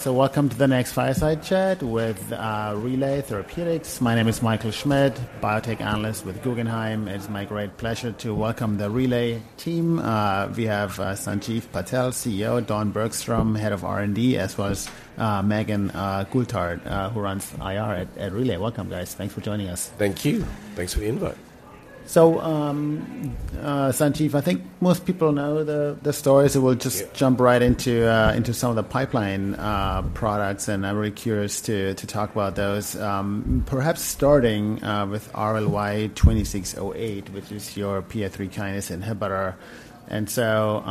So welcome to the next Fireside Chat with Relay Therapeutics. My name is Michael Schmidt, biotech analyst with Guggenheim. It's my great pleasure to welcome the Relay team. We have Sanjiv Patel, CEO, Don Bergstrom, Head of R&D, as well as Megan Goulart, who runs IR at Relay. Welcome, guys. Thanks for joining us. Thank you. Thanks for the invite. So, Sanjiv, I think most people know the stories, so we'll just- Yeah jump right into into some of the pipeline products, and I'm very curious to to talk about those. Perhaps starting with RLY-2608, which is your PI3K inhibitor. And so,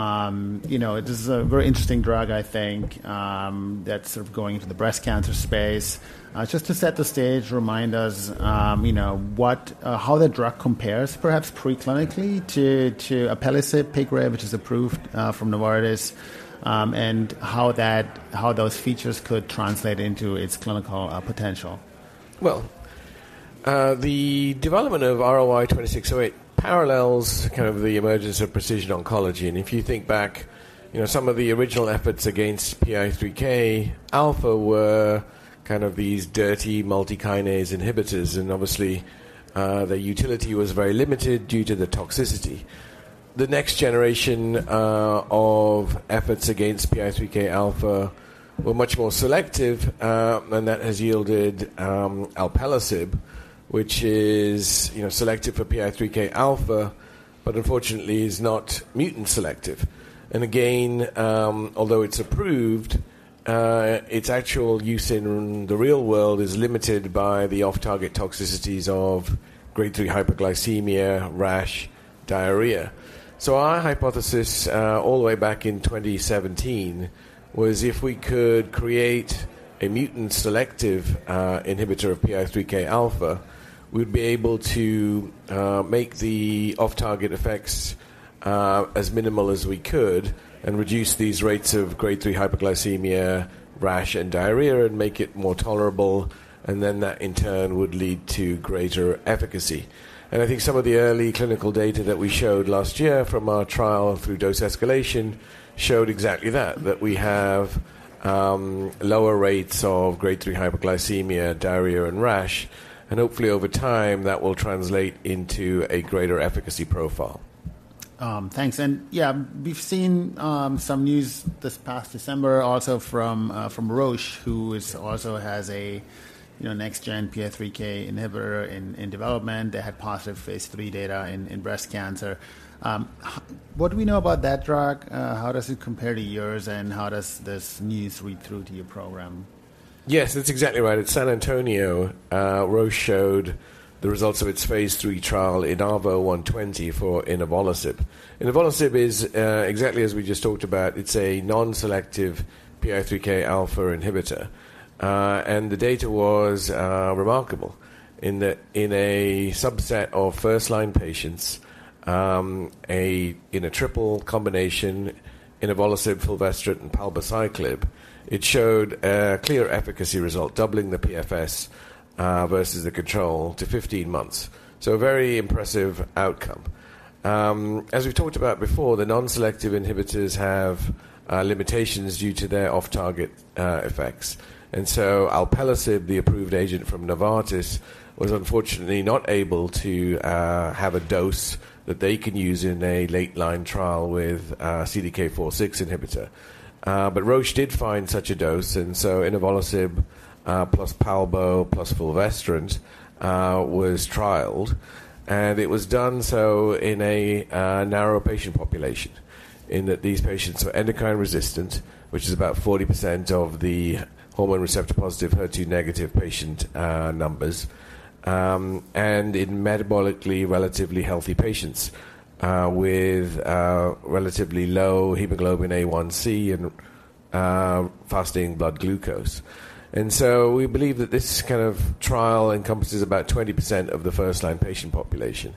you know, this is a very interesting drug, I think, that's sort of going into the breast cancer space. Just to set the stage, remind us, you know, what, how the drug compares, perhaps pre-clinically, to to alpelisib (Piqray), which is approved from Novartis, and how that, how those features could translate into its clinical potential. Well, the development of RLY-2608 parallels kind of the emergence of precision oncology. And if you think back, you know, some of the original efforts against PI3K alpha were kind of these dirty multi-kinase inhibitors, and obviously, their utility was very limited due to the toxicity. The next generation of efforts against PI3K alpha were much more selective, and that has yielded alpelisib, which is, you know, selective for PI3K alpha, but unfortunately is not mutant selective. And again, although it's approved, its actual use in the real world is limited by the off-target toxicities of grade 3 hyperglycemia, rash, diarrhea. So our hypothesis, all the way back in 2017, was if we could create a mutant-selective inhibitor of PI3K alpha, we'd be able to make the off-target effects as minimal as we could and reduce these rates of grade 3 hyperglycemia, rash, and diarrhea and make it more tolerable, and then that, in turn, would lead to greater efficacy. And I think some of the early clinical data that we showed last year from our trial through dose escalation showed exactly that, that we have lower rates of grade 3 hyperglycemia, diarrhea, and rash, and hopefully, over time, that will translate into a greater efficacy profile. Thanks. And yeah, we've seen some news this past December also from Roche, who is also has a, you know, next gen PI3K inhibitor in development. They had positive phase 3 data in breast cancer. What do we know about that drug? How does it compare to yours, and how does this news read through to your program? Yes, that's exactly right. At San Antonio, Roche showed the results of its phase three trial INAVO120 for inavolisib. Inavolisib is exactly as we just talked about, it's a non-selective PI3K alpha inhibitor, and the data was remarkable. In a subset of first-line patients, in a triple combination, inavolisib, fulvestrant, and palbociclib, it showed a clear efficacy result, doubling the PFS versus the control to 15 months. So a very impressive outcome. As we've talked about before, the non-selective inhibitors have limitations due to their off-target effects. And so alpelisib, the approved agent from Novartis, was unfortunately not able to have a dose that they can use in a late line trial with a CDK4/6 inhibitor. But Roche did find such a dose, and so inavolisib plus palbo plus fulvestrant was trialed, and it was done so in a narrow patient population, in that these patients were endocrine resistant, which is about 40% of the hormone receptor-positive, HER2-negative patient numbers, and in metabolically relatively healthy patients with relatively low hemoglobin A1C and fasting blood glucose. And so we believe that this kind of trial encompasses about 20% of the first-line patient population.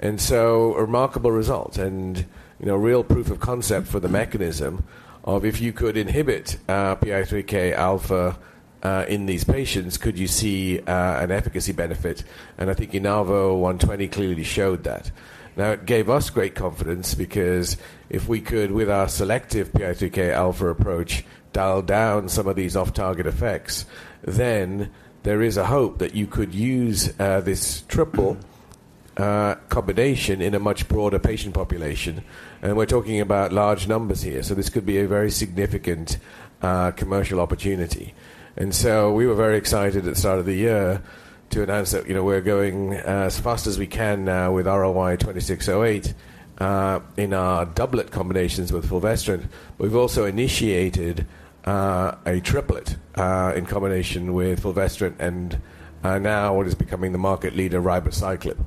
And so a remarkable result and, you know, real proof of concept for the mechanism of if you could inhibit PI3K alpha in these patients, could you see an efficacy benefit? And I think INAVO120 clearly showed that. Now, it gave us great confidence because if we could, with our selective PI3K alpha approach, dial down some of these off-target effects, then there is a hope that you could use this triple combination in a much broader patient population. And we're talking about large numbers here, so this could be a very significant commercial opportunity. And so we were very excited at the start of the year to announce that, you know, we're going as fast as we can now with RLY-2608 in our doublet combinations with fulvestrant. We've also initiated a triplet in combination with fulvestrant and now what is becoming the market leader, ribociclib.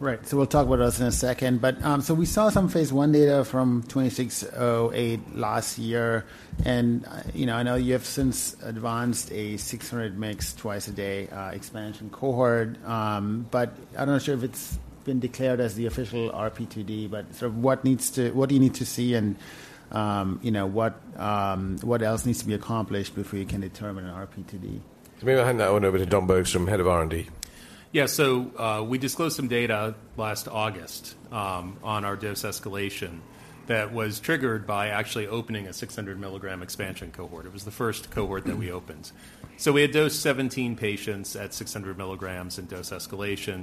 Right. So we'll talk about those in a second. But, so we saw some phase 1 data from RLY-2608 last year, and, you know, I know you have since advanced a 600 mg twice a day expansion cohort, but I'm not sure if it's been declared as the official RP2D, but so what needs to-- what do you need to see and, you know, what, what else needs to be accomplished before you can determine an RP2D? Maybe I'll hand that one over to Don Bergstrom, Head of R&D. Yeah. So, we disclosed some data last August, on our dose escalation that was triggered by actually opening a 600 milligram expansion cohort. It was the first cohort that we opened. So we had dosed 17 patients at 600 milligrams in dose escalation,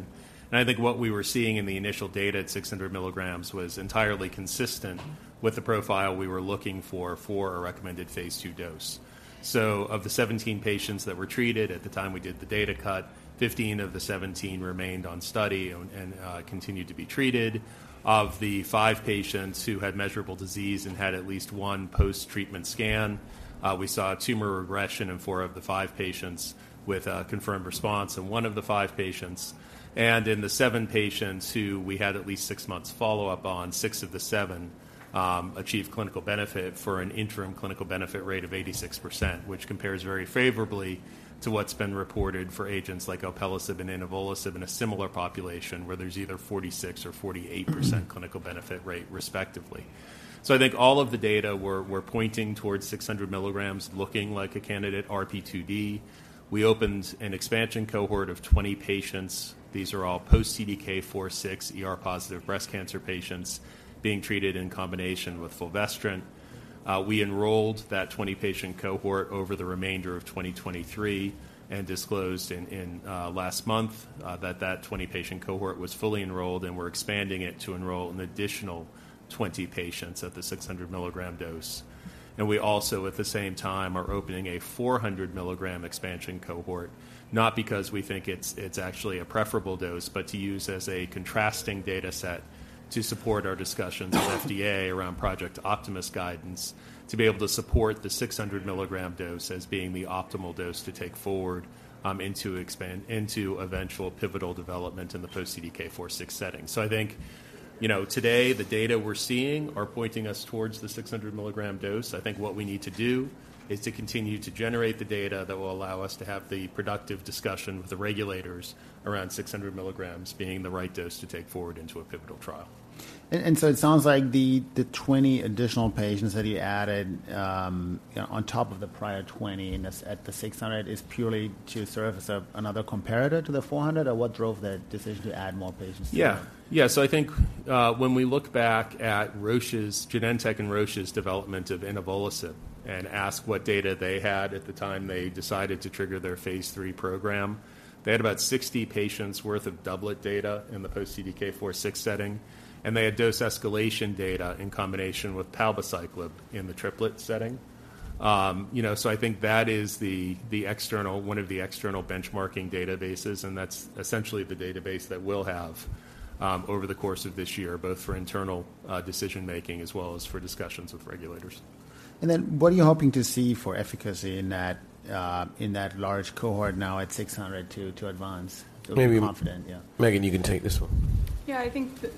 and I think what we were seeing in the initial data at 600 milligrams was entirely consistent with the profile we were looking for, for a recommended Phase II dose. So of the 17 patients that were treated at the time we did the data cut, 15 of the 17 remained on study and continued to be treated. Of the 5 patients who had measurable disease and had at least one post-treatment scan, we saw a tumor regression in four of the five patients with a confirmed response in 1 of the 5 patients. In the seven patients who we had at least six months follow-up on, six of the seven achieved clinical benefit for an interim clinical benefit rate of 86%, which compares very favorably to what's been reported for agents like alpelisib and inavolisib in a similar population, where there's either 46% or 48% clinical benefit rate, respectively. So I think all of the data were pointing towards 600 milligrams looking like a candidate RP2D. We opened an expansion cohort of 20 patients. These are all post-CDK4/6, ER-positive breast cancer patients being treated in combination with fulvestrant. We enrolled that 20-patient cohort over the remainder of 2023 and disclosed in last month that that 20-patient cohort was fully enrolled, and we're expanding it to enroll an additional 20 patients at the 600 milligram dose. We also, at the same time, are opening a 400 mg expansion cohort, not because we think it's actually a preferable dose, but to use as a contrasting data set to support our discussions with FDA around Project Optimus guidance, to be able to support the 600 mg dose as being the optimal dose to take forward into eventual pivotal development in the post-CDK4/6 setting. I think, you know, today, the data we're seeing are pointing us towards the 600 mg dose. I think what we need to do is to continue to generate the data that will allow us to have the productive discussion with the regulators around 600 mg being the right dose to take forward into a pivotal trial. So it sounds like the 20 additional patients that you added on top of the prior 20 and this at the 600 is purely to serve as another comparator to the 400, or what drove the decision to add more patients? Yeah. Yeah, so I think, when we look back at Roche's—Genentech and Roche's development of inavolisib and ask what data they had at the time they decided to trigger their phase III program, they had about 60 patients' worth of doublet data in the post-CDK4/6 setting, and they had dose escalation data in combination with palbociclib in the triplet setting. You know, so I think that is one of the external benchmarking databases, and that's essentially the database that we'll have over the course of this year, both for internal decision making as well as for discussions with regulators. Then what are you hoping to see for efficacy in that large cohort now at 600 to advance? Maybe- Confident, yeah. Megan, you can take this one. Yeah, I think that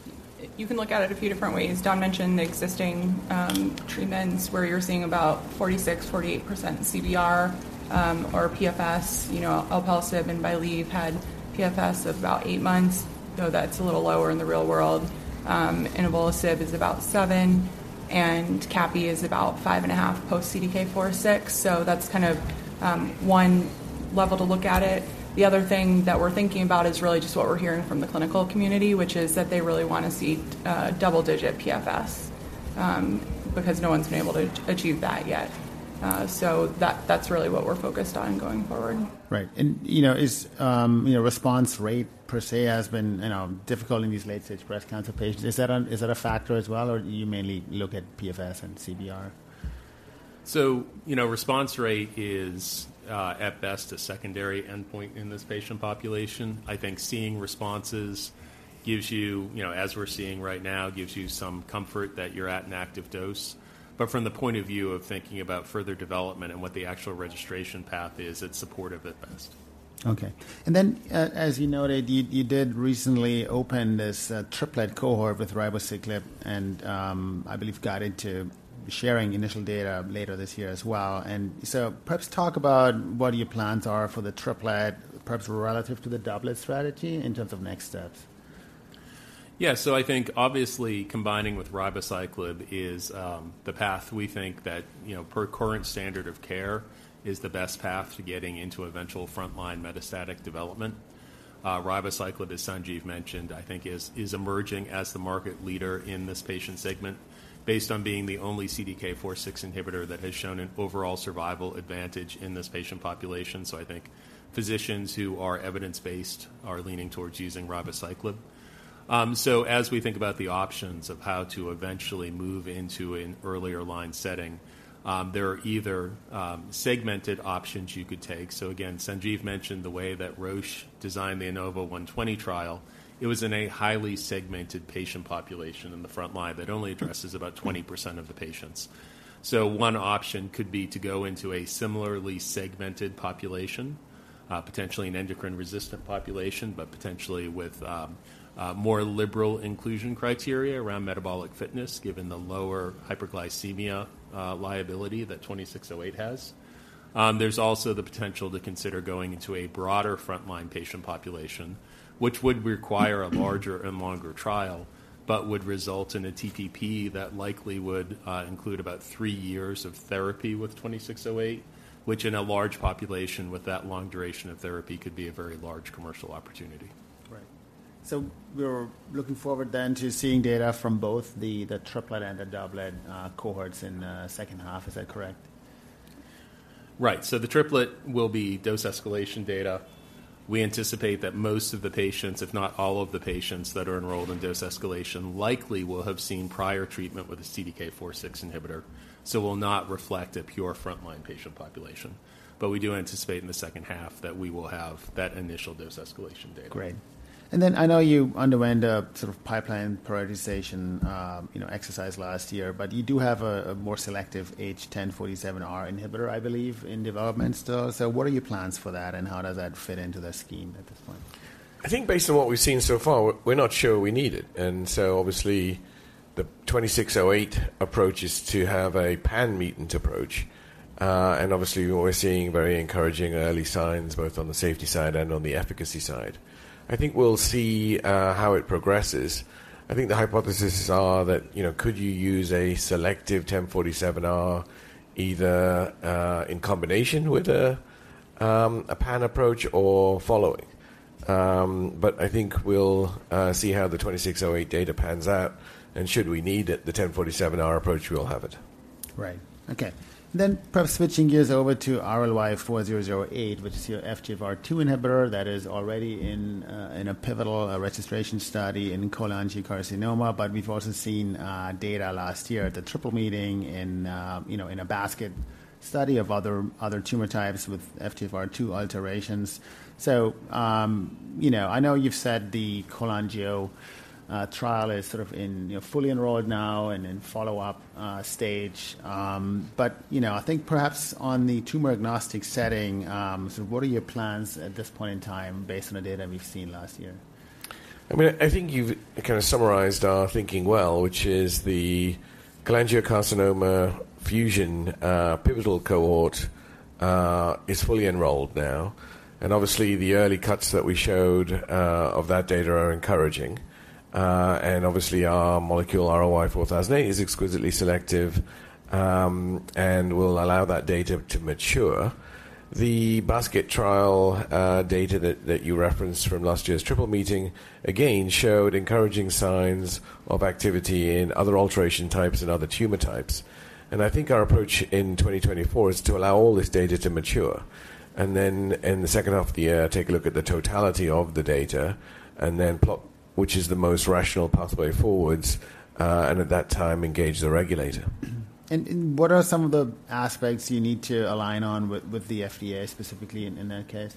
you can look at it a few different ways. Don mentioned the existing treatments where you're seeing about 46%-48% CBR or PFS. You know, alpelisib and BYLieve had PFS of about 8 months, though that's a little lower in the real world. Inavolisib is about seven, and capivasertib is about 5.5 post-CDK4/6. So that's kind of one level to look at it. The other thing that we're thinking about is really just what we're hearing from the clinical community, which is that they really want to see double-digit PFS because no one's been able to achieve that yet. So that's really what we're focused on going forward. Right. And, you know, is, you know, response rate per se has been, you know, difficult in these late-stage breast cancer patients. Is that a factor as well, or do you mainly look at PFS and CBR? So, you know, response rate is, at best, a secondary endpoint in this patient population. I think seeing responses gives you, you know, as we're seeing right now, gives you some comfort that you're at an active dose. But from the point of view of thinking about further development and what the actual registration path is, it's supportive at best. Okay. And then, as you noted, you did recently open this triplet cohort with ribociclib and, I believe, guided to sharing initial data later this year as well. And so perhaps talk about what your plans are for the triplet, perhaps relative to the doublet strategy in terms of next steps. Yeah. So I think obviously combining with ribociclib is the path we think that, you know, per current standard of care, is the best path to getting into eventual frontline metastatic development. Ribociclib, as Sanjiv mentioned, I think is, is emerging as the market leader in this patient segment based on being the only CDK4/6 inhibitor that has shown an overall survival advantage in this patient population. So I think physicians who are evidence-based are leaning towards using ribociclib. So as we think about the options of how to eventually move into an earlier line setting, there are either segmented options you could take. So again, Sanjiv mentioned the way that Roche designed the INAVO 120 trial. It was in a highly segmented patient population in the front line that only addresses about 20% of the patients. So one option could be to go into a similarly segmented population, potentially an endocrine-resistant population, but potentially with more liberal inclusion criteria around metabolic fitness, given the lower hyperglycemia liability that 2608 has. There's also the potential to consider going into a broader frontline patient population, which would require a larger and longer trial, but would result in a TTP that likely would include about three years of therapy with 2608, which in a large population, with that long duration of therapy, could be a very large commercial opportunity. Right. So we're looking forward then to seeing data from both the triplet and the doublet cohorts in the second half. Is that correct? Right. So the triplet will be dose escalation data. We anticipate that most of the patients, if not all of the patients that are enrolled in dose escalation, likely will have seen prior treatment with a CDK4/6 inhibitor, so will not reflect a pure frontline patient population. But we do anticipate in the second half that we will have that initial dose escalation data. Great. And then I know you underwent a sort of pipeline prioritization, you know, exercise last year, but you do have a more selective H1047R inhibitor, I believe, in development still. So what are your plans for that, and how does that fit into the scheme at this point? I think based on what we've seen so far, we're not sure we need it. And so obviously, the 2608 approach is to have a pan-mutant approach. And obviously, we're seeing very encouraging early signs, both on the safety side and on the efficacy side. I think we'll see how it progresses. I think the hypotheses are that, you know, could you use a selective 1047R either in combination with a pan approach or following? But I think we'll see how the 2608 data pans out, and should we need it, the 1047R approach, we'll have it. Right. Okay. Then perhaps switching gears over to RLY-4008, which is your FGFR2 inhibitor that is already in a pivotal registration study in cholangiocarcinoma. But we've also seen data last year at the Triple Meeting in, you know, in a basket study of other tumor types with FGFR2 alterations. So, you know, I know you've said the cholangio trial is sort of in, you know, fully enrolled now and in follow-up stage. But, you know, I think perhaps on the tumor-agnostic setting, so what are your plans at this point in time based on the data we've seen last year? I mean, I think you've kinda summarized our thinking well, which is the cholangiocarcinoma fusion, pivotal cohort, is fully enrolled now, and obviously, the early cuts that we showed, of that data are encouraging. And obviously, our molecule, RLY-4008, is exquisitely selective, and will allow that data to mature. The basket trial, data that, that you referenced from last year's Triple Meeting, again, showed encouraging signs of activity in other alteration types and other tumor types. And I think our approach in 2024 is to allow all this data to mature, and then in the second half of the year, take a look at the totality of the data and then plot which is the most rational pathway forwards, and at that time, engage the regulator. What are some of the aspects you need to align on with the FDA, specifically in that case?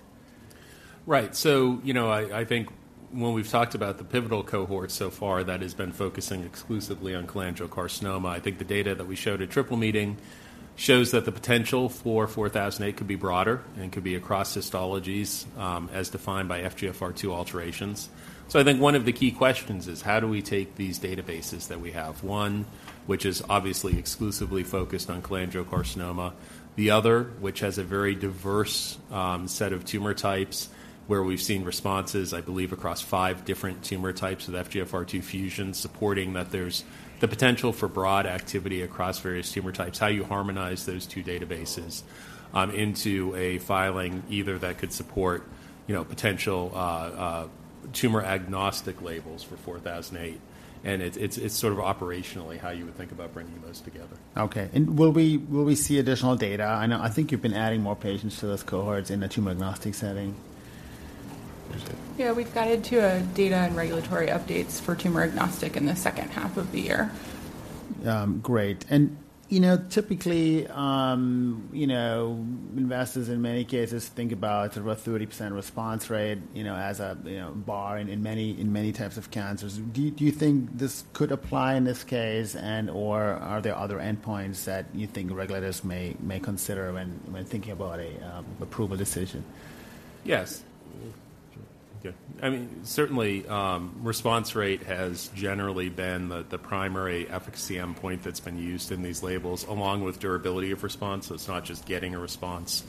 Right. So, you know, I think when we've talked about the pivotal cohort so far, that has been focusing exclusively on cholangiocarcinoma. I think the data that we showed at Triple Meeting shows that the potential for RLY-4008 could be broader and could be across histologies, as defined by FGFR2 alterations. So I think one of the key questions is: how do we take these databases that we have? One, which is obviously exclusively focused on cholangiocarcinoma, the other, which has a very diverse set of tumor types, where we've seen responses, I believe, across five different tumor types with FGFR2 fusions, supporting that there's the potential for broad activity across various tumor types. How you harmonize those two databases into a filing, either that could support, you know, potential tumor-agnostic labels for 4008, and it's sort of operationally how you would think about bringing those together. Okay. And will we, will we see additional data? I know, I think you've been adding more patients to those cohorts in the tumor-agnostic setting. Megan? Yeah, we've guided to data and regulatory updates for tumor-agnostic in the second half of the year. Great. And, you know, typically, you know, investors in many cases think about about 30% response rate, you know, as a, you know, bar in many types of cancers. Do you think this could apply in this case, and/or are there other endpoints that you think regulators may consider when thinking about a approval decision? Yes. Yeah. I mean, certainly, response rate has generally been the primary efficacy endpoint that's been used in these labels, along with durability of response. So it's not just getting a response,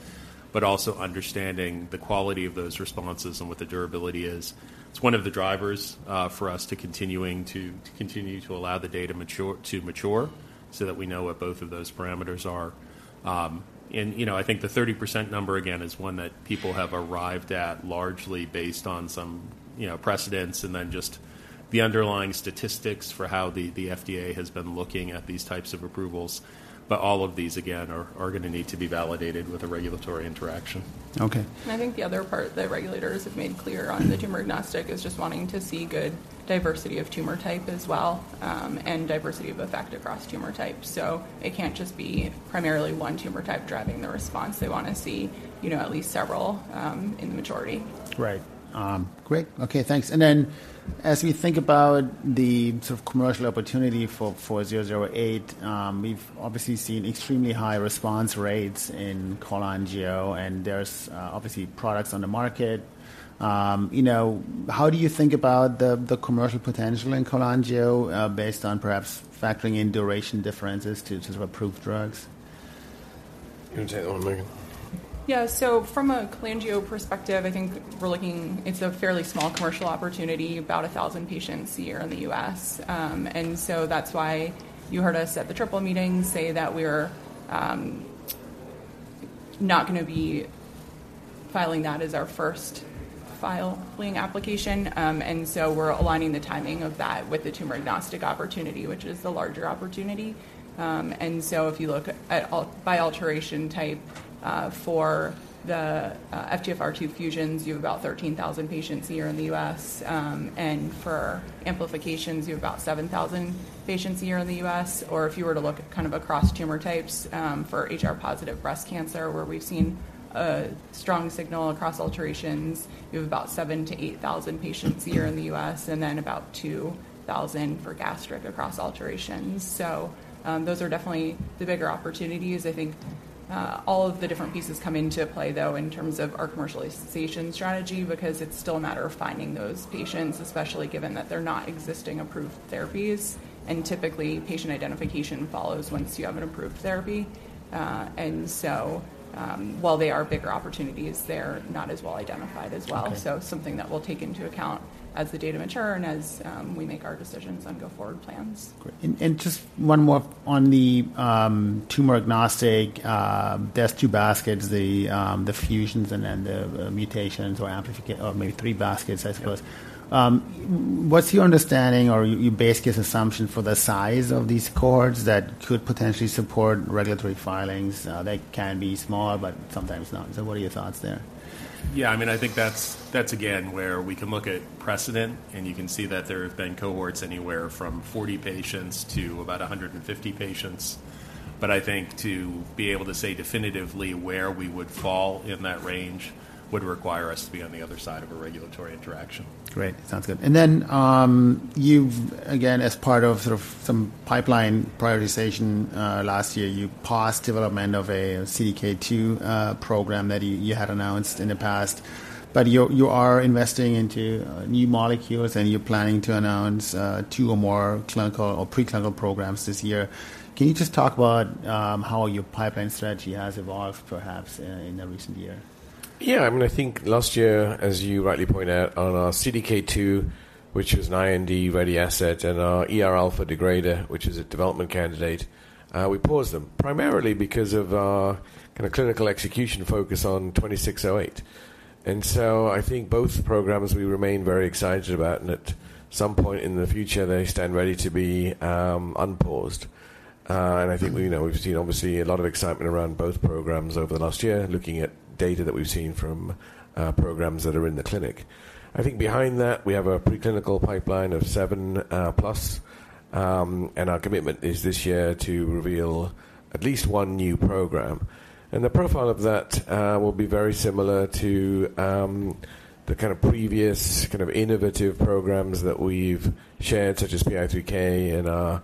but also understanding the quality of those responses and what the durability is. It's one of the drivers for us to continue to allow the data to mature so that we know what both of those parameters are. And, you know, I think the 30% number, again, is one that people have arrived at largely based on some, you know, precedents and then just the underlying statistics for how the FDA has been looking at these types of approvals. But all of these, again, are gonna need to be validated with a regulatory interaction. Okay. I think the other part that regulators have made clear on the tumor-agnostic is just wanting to see good diversity of tumor type as well, and diversity of effect across tumor types. It can't just be primarily one tumor type driving the response. They wanna see, you know, at least several in the majority. Right. Great. Okay, thanks. And then as we think about the sort of commercial opportunity for 4008, we've obviously seen extremely high response rates in cholangio, and there's obviously products on the market. You know, how do you think about the commercial potential in cholangio, based on perhaps factoring in duration differences to sort of approved drugs? You wanna take that one, Megan? Yeah. So from a cholangio perspective, I think we're looking. It's a fairly small commercial opportunity, about 1,000 patients a year in the US. And so that's why you heard us at the Triple Meeting say that we're not gonna be filing that as our first filing application. And so we're aligning the timing of that with the tumor-agnostic opportunity, which is the larger opportunity. And so if you look at by alteration type, for the FGFR2 fusions, you have about 13,000 patients a year in the US. And for amplifications, you have about 7,000 patients a year in the US. Or if you were to look at kind of across tumor types, for HR-positive breast cancer, where we've seen a strong signal across alterations, you have about 7,000-8,000 patients a year in the U.S., and then about 2,000 for gastric across alterations. So, those are definitely the bigger opportunities. I think, all of the different pieces come into play, though, in terms of our commercialization strategy, because it's still a matter of finding those patients, especially given that they're not existing approved therapies. And typically, patient identification follows once you have an approved therapy. And so, while they are bigger opportunities, they're not as well identified as well. Okay. So something that we'll take into account as the data mature and as we make our decisions on go-forward plans. Great. And just one more on the tumor-agnostic. There's two baskets, the fusions and then the mutations or amplifications or maybe three baskets, I suppose. What's your understanding or your best guess assumption for the size of these cohorts that could potentially support regulatory filings? They can be small, but sometimes not. So what are your thoughts there? Yeah, I mean, I think that's, that's again, where we can look at precedent, and you can see that there have been cohorts anywhere from 40 patients to about 150 patients. But I think to be able to say definitively where we would fall in that range would require us to be on the other side of a regulatory interaction. Great. Sounds good. And then, you've again, as part of sort of some pipeline prioritization, last year, you paused development of a CDK2 program that you had announced in the past. But you're investing into new molecules, and you're planning to announce two or more clinical or preclinical programs this year. Can you just talk about how your pipeline strategy has evolved, perhaps, in the recent year? Yeah, I mean, I think last year, as you rightly point out, on our CDK2, which was an IND-ready asset, and our ER alpha degrader, which is a development candidate, we paused them primarily because of our kind of clinical execution focus on RLY-2608. And so I think both programs we remain very excited about, and at some point in the future, they stand ready to be unpaused. And I think, well, you know, we've seen obviously a lot of excitement around both programs over the last year, looking at data that we've seen from programs that are in the clinic. I think behind that, we have a preclinical pipeline of seven plus, and our commitment is this year to reveal at least one new program. And the profile of that will be very similar to the kind of previous, kind of innovative programs that we've shared, such as PI3K and our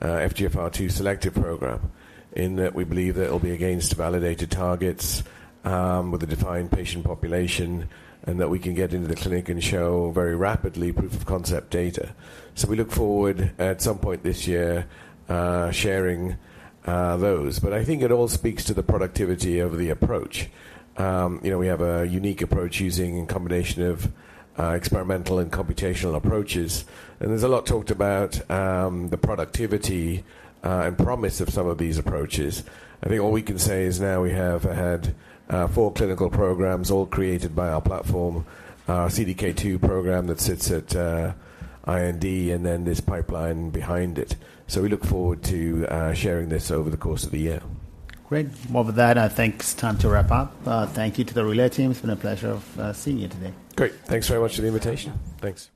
FGFR2 selective program, in that we believe that it'll be against validated targets, with a defined patient population, and that we can get into the clinic and show very rapidly proof of concept data. So we look forward at some point this year to sharing those. But I think it all speaks to the productivity of the approach. You know, we have a unique approach using a combination of experimental and computational approaches, and there's a lot talked about the productivity and promise of some of these approaches. I think all we can say is now we have had four clinical programs all created by our platform, our CDK2 program that sits at IND, and then this pipeline behind it. So we look forward to sharing this over the course of the year. Great. Well, with that, I think it's time to wrap up. Thank you to the Relay team. It's been a pleasure of seeing you today. Great. Thanks very much for the invitation. Thanks.